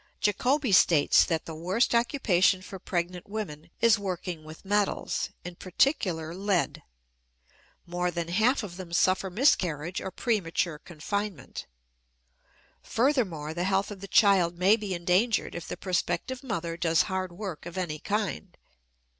Jacobi states that the worst occupation for pregnant women is working with metals, in particular lead; more than half of them suffer miscarriage or premature confinement. Furthermore, the health of the child may be endangered if the prospective mother does hard work of any kind.